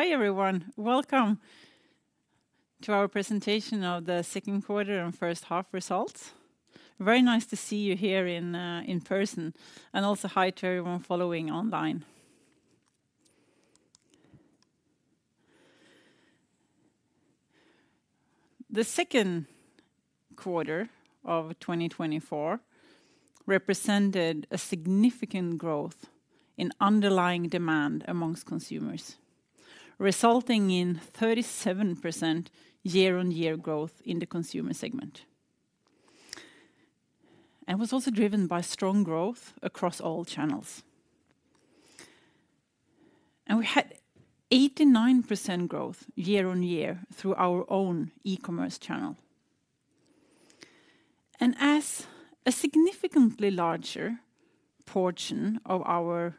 Hi, everyone. Welcome to our presentation of the second quarter and first half results. Very nice to see you here in person, and also hi to everyone following online. The second quarter of 2024 represented a significant growth in underlying demand among consumers, resulting in 37% year-on-year growth in the consumer segment. And was also driven by strong growth across all channels. And we had 89% growth year on year through our own e-commerce channel. And as a significantly larger portion of our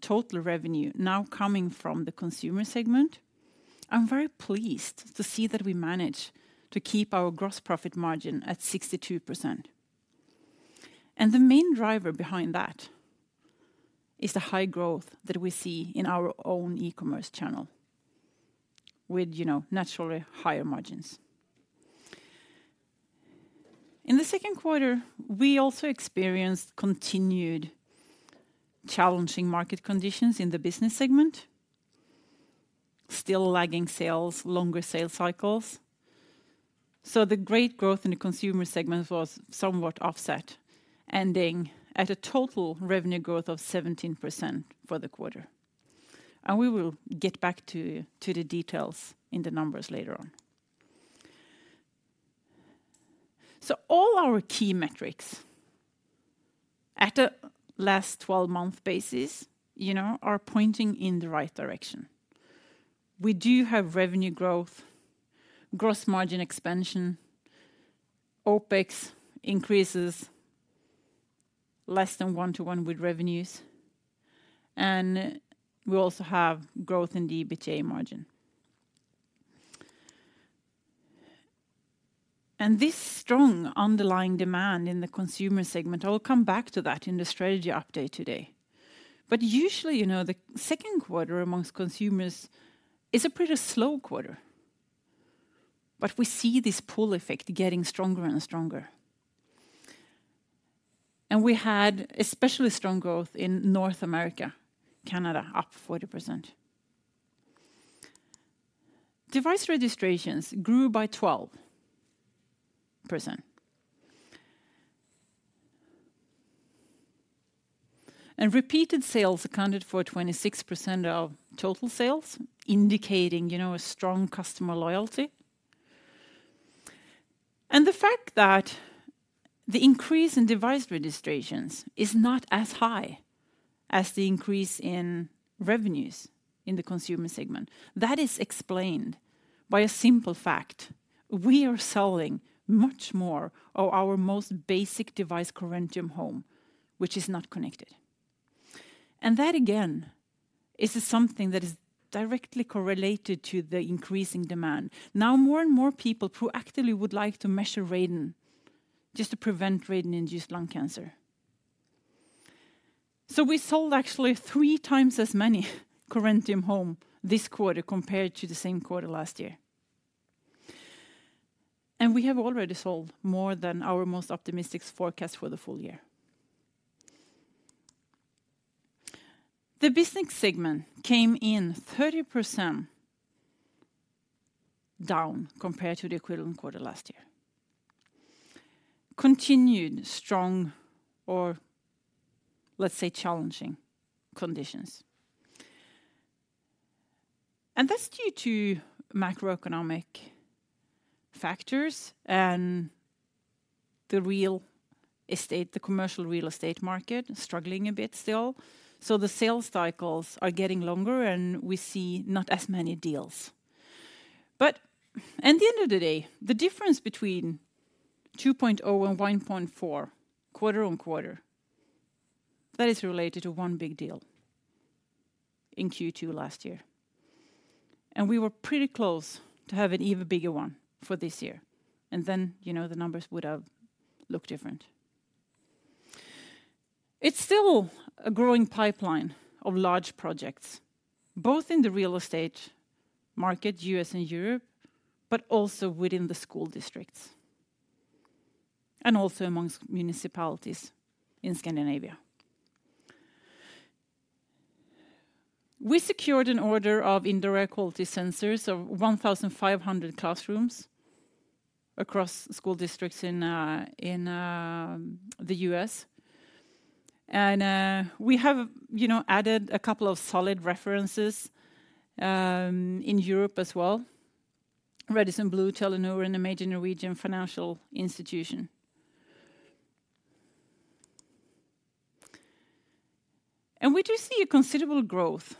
total revenue now coming from the consumer segment, I'm very pleased to see that we managed to keep our gross profit margin at 62%. And the main driver behind that is the high growth that we see in our own e-commerce channel, with, you know, naturally higher margins. In the second quarter, we also experienced continued challenging market conditions in the business segment, still lagging sales, longer sales cycles, so the great growth in the consumer segment was somewhat offset, ending at a total revenue growth of 17% for the quarter, and we will get back to the details in the numbers later on, so all our key metrics at a last twelve-month basis, you know, are pointing in the right direction. We do have revenue growth, gross margin expansion, OpEx increases less than one to one with revenues, and we also have growth in the EBITDA margin, and this strong underlying demand in the consumer segment. I'll come back to that in the strategy update today, but usually, you know, the second quarter amongst consumers is a pretty slow quarter, but we see this pull effect getting stronger and stronger. And we had especially strong growth in North America, Canada, up 40%. Device registrations grew by 12%. And repeated sales accounted for 26% of total sales, indicating, you know, a strong customer loyalty. And the fact that the increase in device registrations is not as high as the increase in revenues in the consumer segment, that is explained by a simple fact: We are selling much more of our most basic device, Corentium Home, which is not connected. And that, again, is something that is directly correlated to the increasing demand. Now, more and more people proactively would like to measure radon just to prevent radon-induced lung cancer. So we sold actually three times as many Corentium Home this quarter compared to the same quarter last year. And we have already sold more than our most optimistic forecast for the full year. The business segment came in 30% down compared to the equivalent quarter last year. Continued strong, or let's say, challenging conditions. And that's due to macroeconomic factors and the real estate, the commercial real estate market struggling a bit still. So the sales cycles are getting longer, and we see not as many deals. But at the end of the day, the difference between 2.0 and 1.4, quarter on quarter, that is related to one big deal in Q2 last year. And we were pretty close to have an even bigger one for this year, and then, you know, the numbers would have looked different. It's still a growing pipeline of large projects, both in the real estate market, U.S. and Europe, but also within the school districts, and also amongst municipalities in Scandinavia. We secured an order of indoor air quality sensors of 1,500 classrooms across school districts in the U.S. And we have, you know, added a couple of solid references in Europe as well, Radisson Blu, Telenor, and a major Norwegian financial institution. And we do see a considerable growth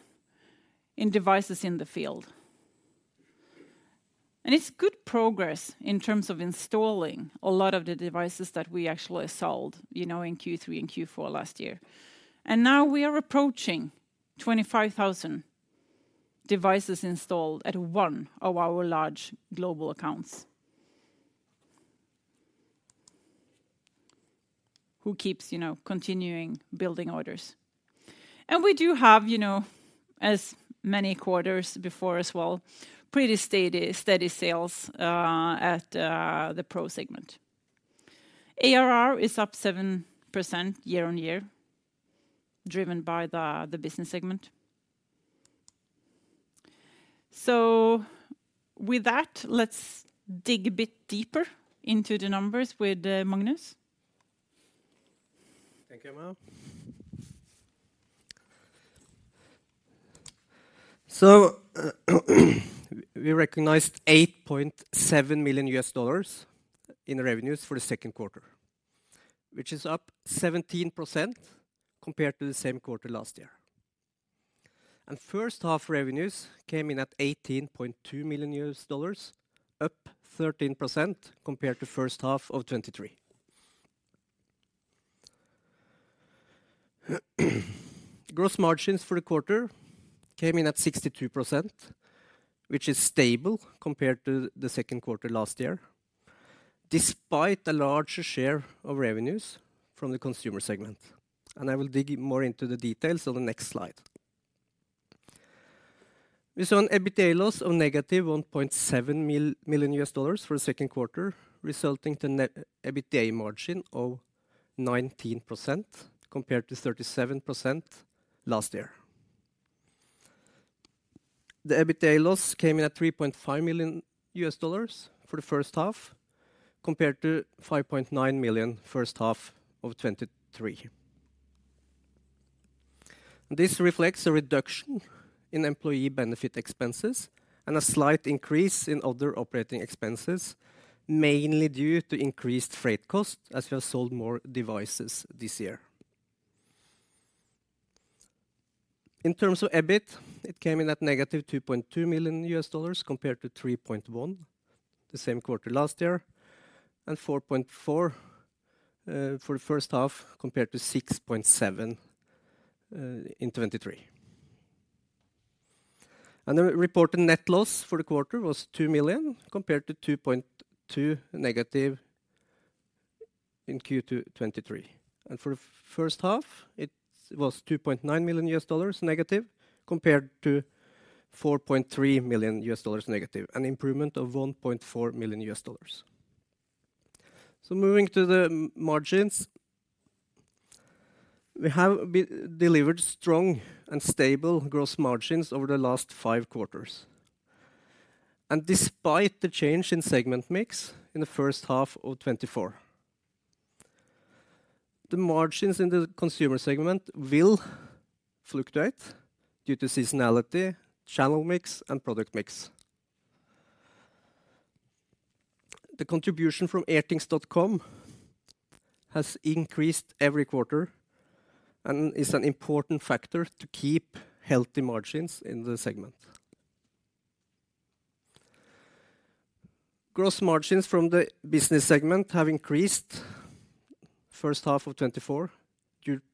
in devices in the field, and it's good progress in terms of installing a lot of the devices that we actually sold, you know, in Q3 and Q4 last year. And now we are approaching 25,000 devices installed at one of our large global accounts, who keeps, you know, continuing building orders. And we do have, you know, as many quarters before as well, pretty steady sales at the Pro Segment. ARR is up 7% year-on-year, driven by the business segment. So with that, let's dig a bit deeper into the numbers with Magnus. Thank you, Emma. We recognized $8.7 million in revenues for the second quarter, which is up 17% compared to the same quarter last year. First half revenues came in at $18.2 million, up 13% compared to first half of 2023. Gross margins for the quarter came in at 62%, which is stable compared to the second quarter last year, despite a larger share of revenues from the consumer segment, and I will dig more into the details on the next slide. We saw an EBITDA loss of negative $1.7 million for the second quarter, resulting to net EBITDA margin of 19%, compared to 37% last year. The EBITDA loss came in at $3.5 million for the first half, compared to $5.9 million first half of 2023. This reflects a reduction in employee benefit expenses and a slight increase in other operating expenses, mainly due to increased freight costs as we have sold more devices this year. In terms of EBIT, it came in at negative $2.2 million, compared to $3.1 million the same quarter last year, and $4.4 million for the first half, compared to $6.7 million in 2023. And the reported net loss for the quarter was $2 million, compared to negative $2.2 million in Q2 2023. And for the first half, was $2.9 million negative, compared to $4.3 million negative, an improvement of $1.4 million. So moving to the margins, we have delivered strong and stable gross margins over the last five quarters, and despite the change in segment mix in the first half of 2024. The margins in the consumer segment will fluctuate due to seasonality, channel mix, and product mix. The contribution from Airthings.com has increased every quarter and is an important factor to keep healthy margins in the segment. Gross margins from the business segment have increased first half of 2024,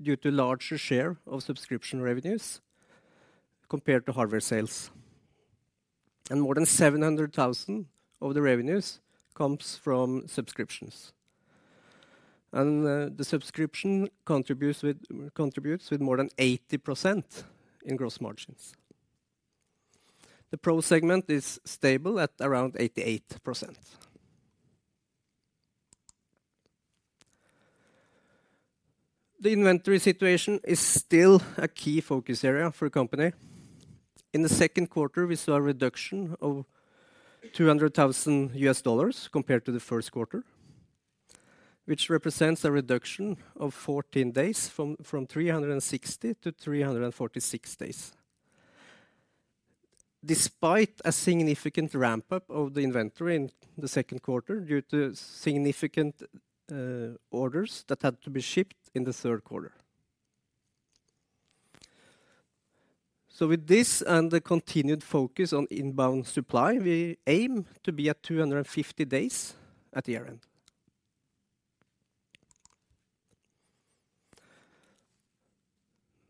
due to larger share of subscription revenues compared to hardware sales. And more than 700,000 of the revenues comes from subscriptions. And the subscription contributes with more than 80% in gross margins. The Pro segment is stable at around 88%. The inventory situation is still a key focus area for the company. In the second quarter, we saw a reduction of $200,000 compared to the first quarter, which represents a reduction of 14 days from 360-346 days. Despite a significant ramp-up of the inventory in the second quarter due to significant orders that had to be shipped in the third quarter. So with this and the continued focus on inbound supply, we aim to be at 250 days at the year end.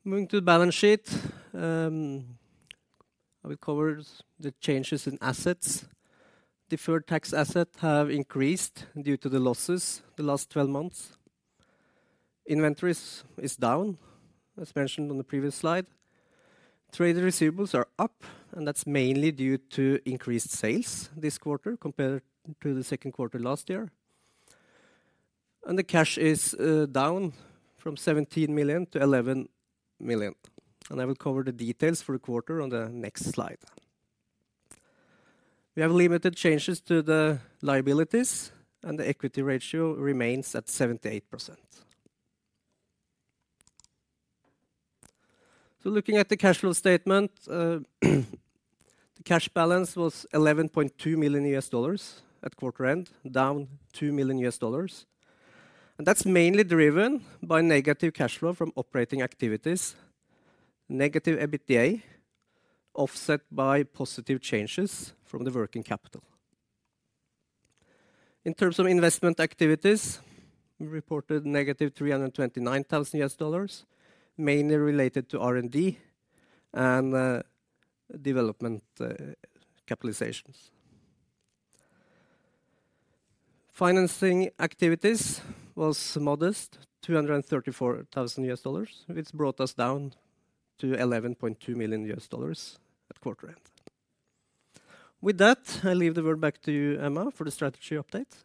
Moving to the balance sheet, I will cover the changes in assets. Deferred tax asset have increased due to the losses the last 12 months. Inventories is down, as mentioned on the previous slide. Trade receivables are up, and that's mainly due to increased sales this quarter compared to the second quarter last year. And the cash is down from $17 million to $11 million, and I will cover the details for the quarter on the next slide. We have limited changes to the liabilities, and the equity ratio remains at 78%. So looking at the cash flow statement, the cash balance was $11.2 million at quarter end, down $2 million, and that's mainly driven by negative cash flow from operating activities. Negative EBITDA, offset by positive changes from the working capital. In terms of investment activities, we reported negative $329,000, mainly related to R&D and development capitalizations. Financing activities was modest, $234,000, which brought us down to $11.2 million at quarter end. With that, I leave the word back to you, Emma, for the strategy update.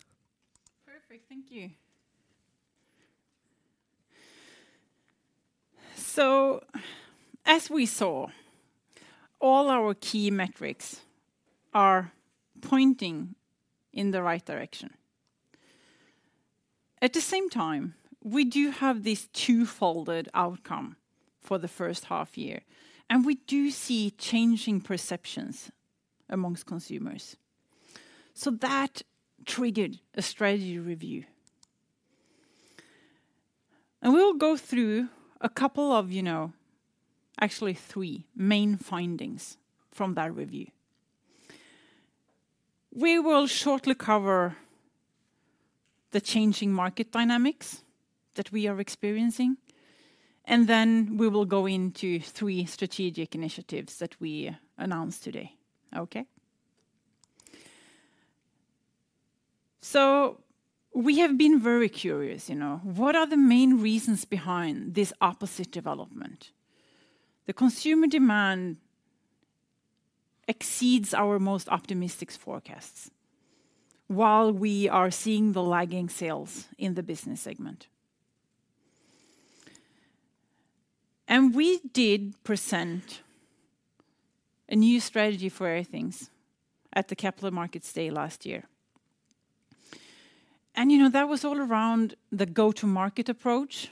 Perfect. Thank you. So as we saw, all our key metrics are pointing in the right direction. At the same time, we do have this twofold outcome for the first half year, and we do see changing perceptions among consumers. So that triggered a strategy review. And we'll go through a couple of, you know, actually three main findings from that review. We will shortly cover the changing market dynamics that we are experiencing, and then we will go into three strategic initiatives that we announced today. Okay? So we have been very curious, you know, what are the main reasons behind this opposite development? The consumer demand exceeds our most optimistic forecasts, while we are seeing the lagging sales in the business segment. And we did present a new strategy for Airthings at the Capital Markets Day last year. You know, that was all around the go-to-market approach,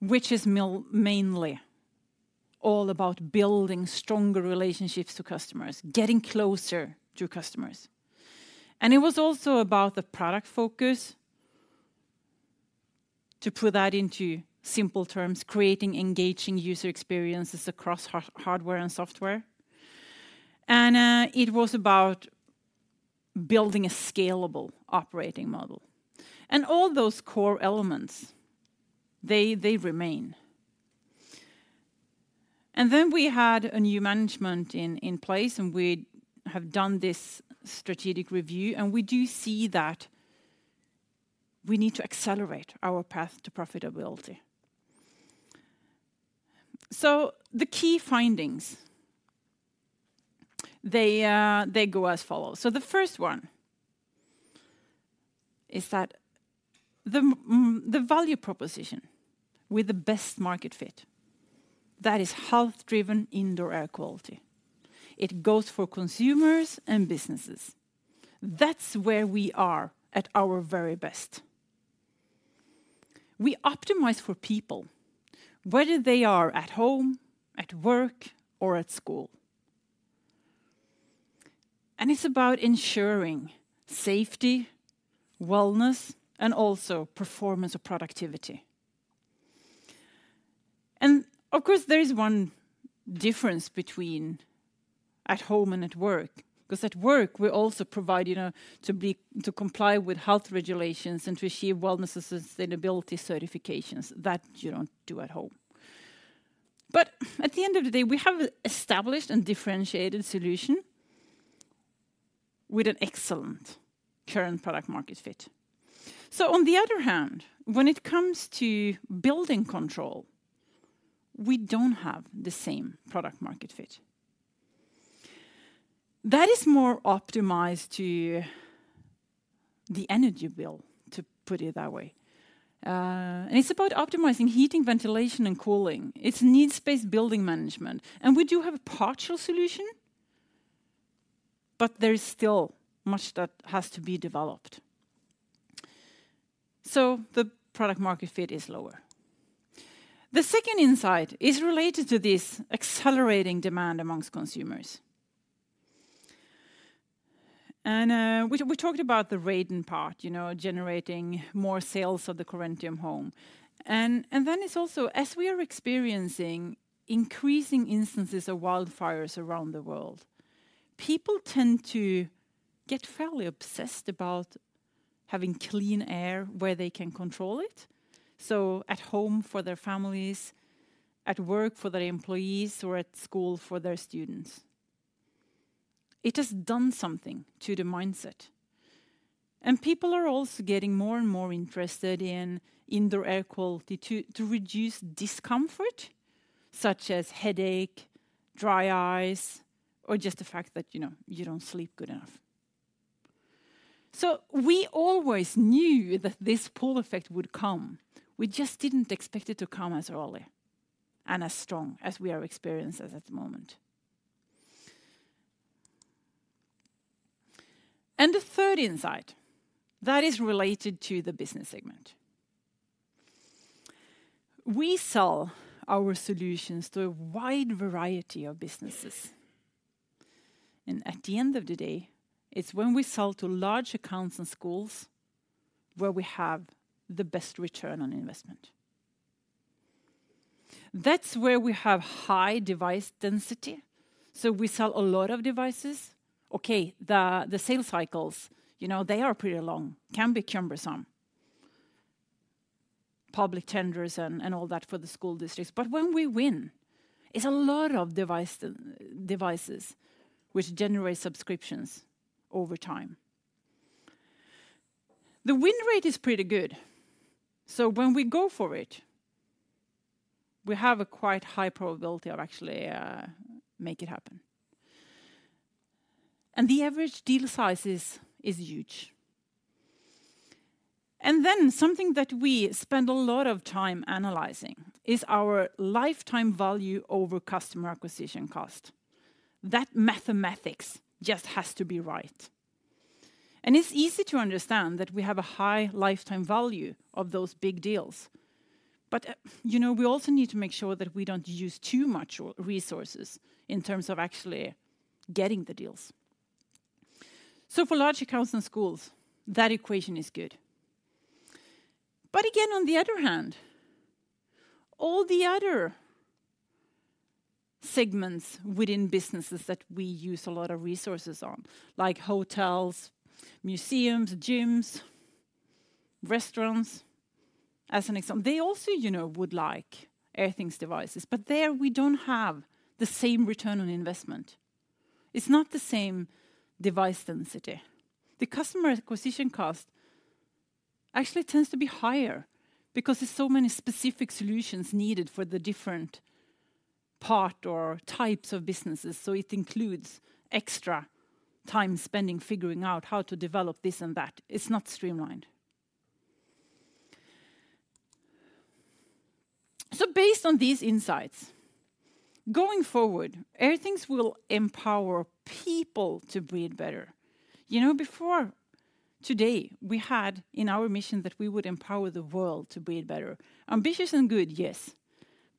which is mainly all about building stronger relationships to customers, getting closer to customers. And it was also about the product focus. To put that into simple terms, creating engaging user experiences across hardware and software. And it was about building a scalable operating model. And all those core elements, they remain. And then we had a new management in place, and we have done this strategic review, and we do see that we need to accelerate our path to profitability. So the key findings, they go as follows. So the first one is that the value proposition with the best market fit, that is health-driven, indoor air quality. It goes for consumers and businesses. That's where we are at our very best. We optimize for people, whether they are at home, at work, or at school. It's about ensuring safety, wellness, and also performance or productivity. Of course, there is one difference between at home and at work, 'cause at work, we also provide, you know, to be... to comply with health regulations and to achieve wellness and sustainability certifications that you don't do at home. At the end of the day, we have established a differentiated solution with an excellent current product market fit. On the other hand, when it comes to building control, we don't have the same product market fit. That is more optimized to the energy bill, to put it that way. It's about optimizing heating, ventilation, and cooling. It's needs-based building management, and we do have a partial solution, but there is still much that has to be developed. So the product market fit is lower. The second insight is related to this accelerating demand among consumers. And we talked about the Radon part, you know, generating more sales of the Corentium Home. And then it's also, as we are experiencing increasing instances of wildfires around the world, people tend to get fairly obsessed about having clean air where they can control it, so at home for their families, at work for their employees, or at school for their students. It has done something to the mindset, and people are also getting more and more interested in indoor air quality to reduce discomfort, such as headache, dry eyes, or just the fact that, you know, you don't sleep good enough. So we always knew that this pull effect would come. We just didn't expect it to come as early and as strong as we are experiencing at the moment, and the third insight that is related to the business segment. We sell our solutions to a wide variety of businesses, and at the end of the day, it's when we sell to large accounts and schools where we have the best return on investment. That's where we have high device density, so we sell a lot of devices. Okay, the sales cycles, you know, they are pretty long, can be cumbersome, public tenders and all that for the school districts. But when we win, it's a lot of devices which generate subscriptions over time. The win rate is pretty good, so when we go for it, we have a quite high probability of actually make it happen, and the average deal size is huge. And then something that we spend a lot of time analyzing is our lifetime value over customer acquisition cost. That mathematics just has to be right, and it's easy to understand that we have a high lifetime value of those big deals. But, you know, we also need to make sure that we don't use too much resources in terms of actually getting the deals. So for larger accounts and schools, that equation is good. But again, on the other hand, all the other segments within businesses that we use a lot of resources on, like hotels, museums, gyms, restaurants, as an example, they also, you know, would like Airthings devices, but there, we don't have the same return on investment. It's not the same device density. The customer acquisition cost actually tends to be higher because there's so many specific solutions needed for the different part or types of businesses, so it includes extra time spending, figuring out how to develop this and that. It's not streamlined. So based on these insights, going forward, Airthings will empower people to breathe better. You know, before today, we had in our mission that we would empower the world to breathe better. Ambitious and good, yes,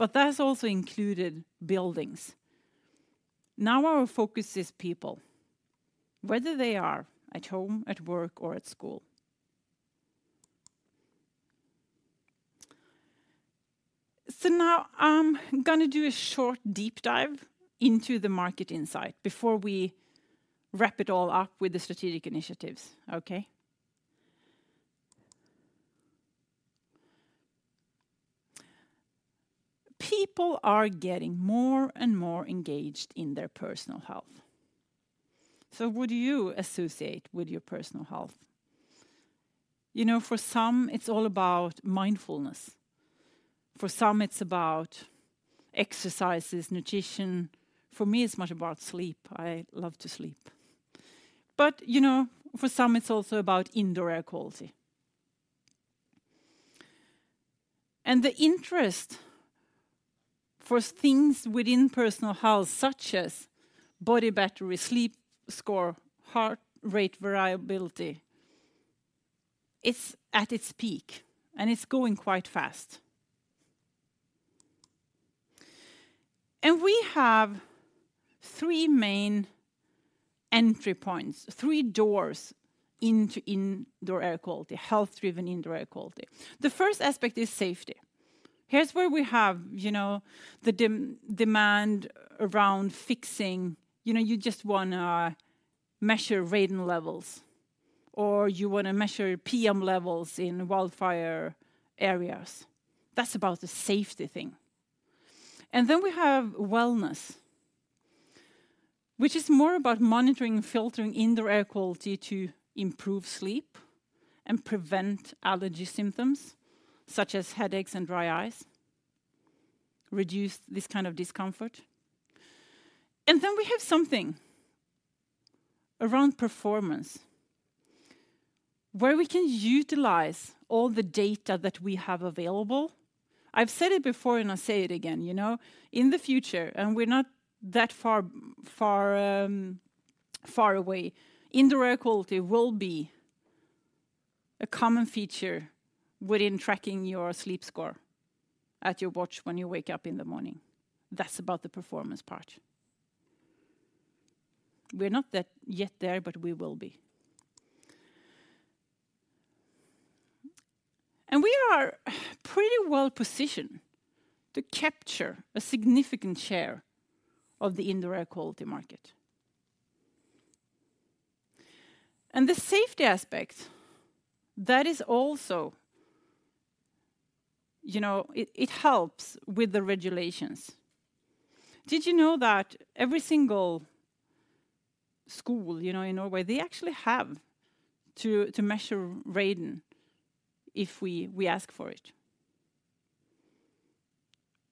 but that's also included buildings. Now, our focus is people, whether they are at home, at work, or at school. So now, I'm gonna do a short, deep dive into the market insight before we wrap it all up with the strategic initiatives. Okay? People are getting more and more engaged in their personal health. So what do you associate with your personal health? You know, for some, it's all about mindfulness. For some, it's about exercises, nutrition. For me, it's much about sleep. I love to sleep, but you know, for some, it's also about indoor air quality, and the interest for things within personal health, such as Body Battery, Sleep Score, heart rate variability, it's at its peak, and it's going quite fast. And we have three main entry points, three doors into indoor air quality, health-driven indoor air quality. The first aspect is safety. Here's where we have, you know, the demand around fixing. You know, you just wanna measure radon levels, or you wanna measure PM levels in wildfire areas. That's about the safety thing. And then we have wellness, which is more about monitoring and filtering indoor air quality to improve sleep and prevent allergy symptoms, such as headaches and dry eyes, reduce this kind of discomfort. Then we have something around performance, where we can utilize all the data that we have available. I've said it before, and I'll say it again, you know, in the future, and we're not that far, far, far away, indoor air quality will be a common feature within tracking your sleep score at your watch when you wake up in the morning. That's about the performance part. We're not that yet there, but we will be. And we are pretty well-positioned to capture a significant share of the indoor air quality market. And the safety aspect, that is also. You know, it, it helps with the regulations. Did you know that every single school, you know, in Norway, they actually have to, to measure radon if we, we ask for it?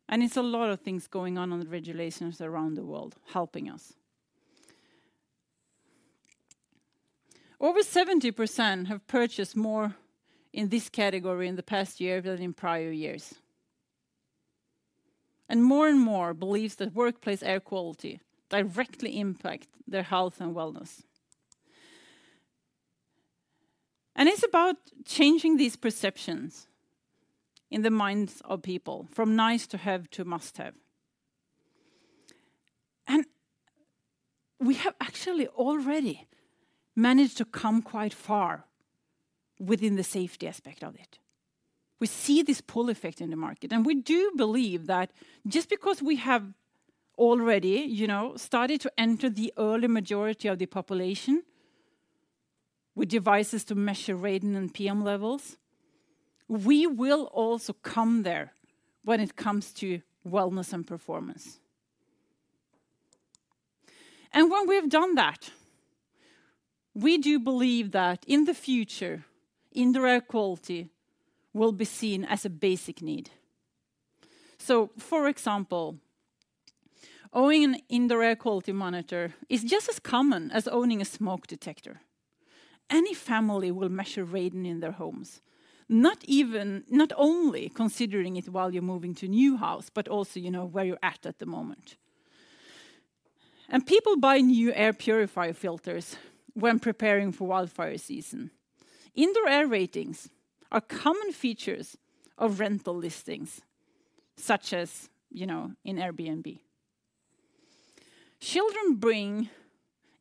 And it's a lot of things going on on the regulations around the world, helping us. Over 70% have purchased more in this category in the past year than in prior years, and more and more believes that workplace air quality directly impact their health and wellness. And it's about changing these perceptions in the minds of people, from nice to have to must-have. And we have actually already managed to come quite far within the safety aspect of it. We see this pull effect in the market, and we do believe that just because we have already, you know, started to enter the early majority of the population with devices to measure radon and PM levels, we will also come there when it comes to wellness and performance. And when we've done that, we do believe that in the future, indoor air quality will be seen as a basic need. For example, owning an indoor air quality monitor is just as common as owning a smoke detector. Any family will measure radon in their homes, not only considering it while you're moving to a new house, but also, you know, where you're at at the moment. People buy new air purifier filters when preparing for wildfire season. Indoor air ratings are common features of rental listings, such as, you know, in Airbnb. Children bring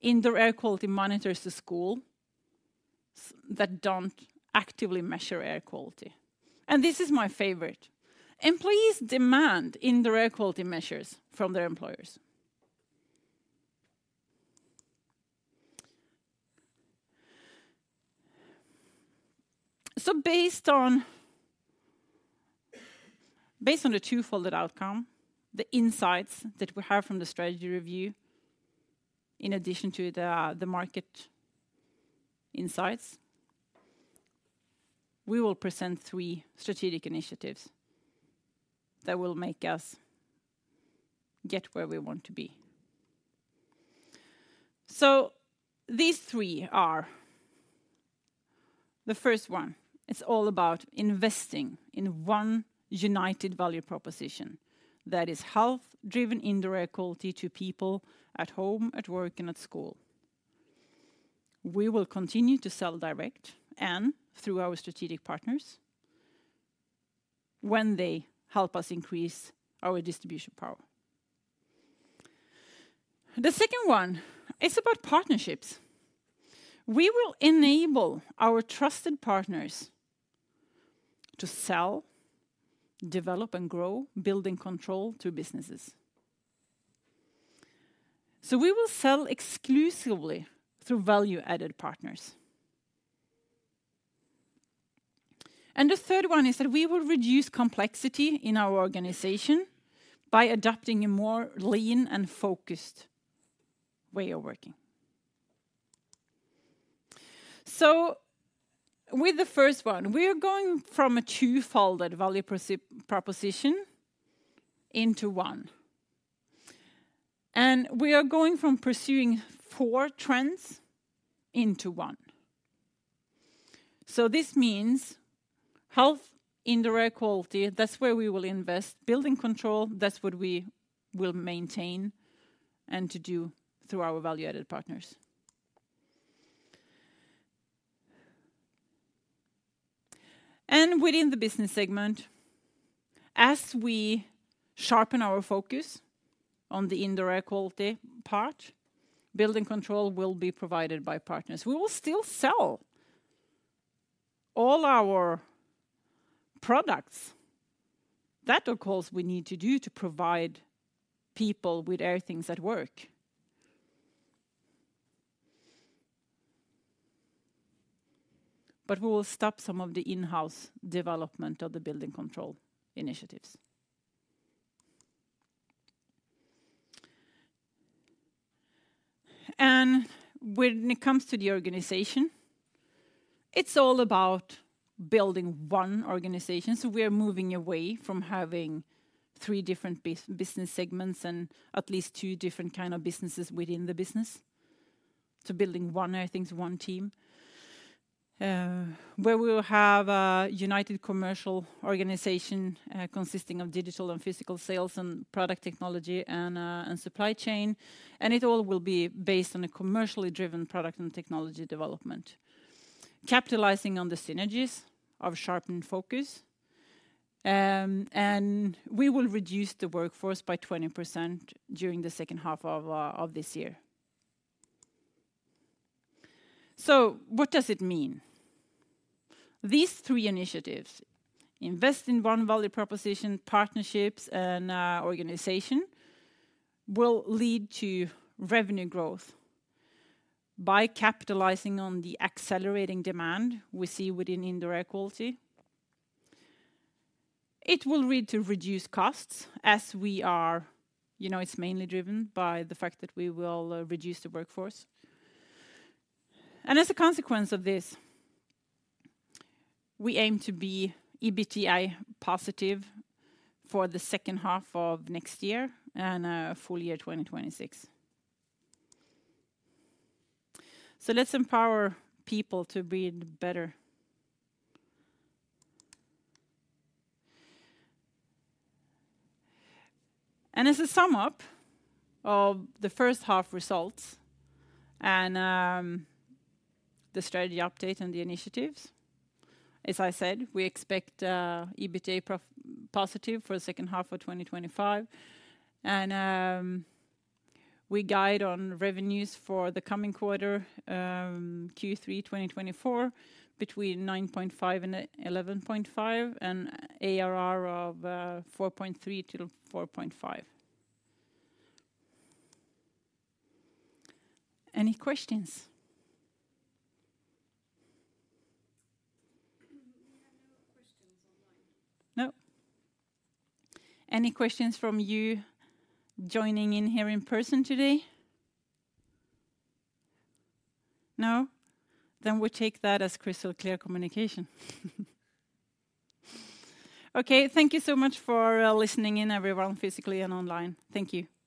indoor air quality monitors to school that don't actively measure air quality, and this is my favorite: employees demand indoor air quality measures from their employers. Based on, based on the twofold outcome, the insights that we have from the strategy review, in addition to the, the market insights, we will present three strategic initiatives that will make us get where we want to be. So these three are: the first one, it's all about investing in one united value proposition that is health-driven indoor air quality to people at home, at work, and at school. We will continue to sell direct and through our strategic partners when they help us increase our distribution power. The second one is about partnerships. We will enable our trusted partners to sell, develop, and grow building control through businesses. So we will sell exclusively through value-added partners. And the third one is that we will reduce complexity in our organization by adopting a more lean and focused way of working. So with the first one, we are going from a twofold value proposition into one, and we are going from pursuing four trends into one. So this means health, indoor air quality, that's where we will invest. Building control, that's what we will maintain and do through our value-added partners. Within the business segment, as we sharpen our focus on the indoor air quality part, building control will be provided by partners. We will still sell all our products. That, of course, we need to do to provide people with Airthings at work. But we will stop some of the in-house development of the building control initiatives. And when it comes to the organization, it's all about building one organization, so we are moving away from having three different business segments and at least two different kind of businesses within the business to building one, I think, one team, where we will have a united commercial organization, consisting of digital and physical sales and product technology and supply chain, and it all will be based on a commercially driven product and technology development, capitalizing on the synergies of sharpened focus, and we will reduce the workforce by 20% during the second half of this year. So what does it mean? These three initiatives, invest in one value proposition, partnerships, and organization, will lead to revenue growth. By capitalizing on the accelerating demand we see within indoor air quality, it will lead to reduced costs as we are... You know, it's mainly driven by the fact that we will reduce the workforce. And as a consequence of this, we aim to be EBITDA positive for the second half of next year and full year 2026. So let's empower people to breathe better. And as a sum up of the first half results and the strategy update and the initiatives, as I said, we expect EBITDA positive for the second half of 2025, and we guide on revenues for the coming quarter Q3 2024, between 9.5 and 11.5, and ARR of 4.3-4.5. Any questions? We have no questions online. No? Any questions from you joining in here in person today? No. Then we take that as crystal-clear communication. Okay, thank you so much for listening in, everyone, physically and online. Thank you.